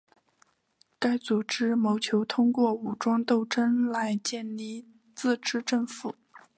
该组织谋求通过武装斗争来建立自治政府。